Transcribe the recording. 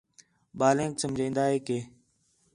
ٻلھینک سمجھان٘دے کہ